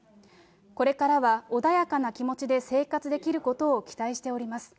これからは穏やかな気持ちで生活できることを期待しております。